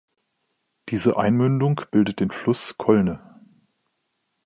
Diese Einmündung bildet den Fluss Colne.